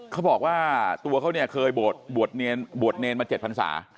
เขาบอกว่าตัวเขาเนี่ยเคยบวชเนรมา๗พันศา